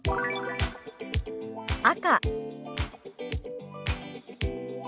「赤」。